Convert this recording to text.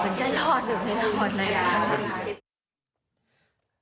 มันจะรอดอยู่ให้ทุกคนนะครับ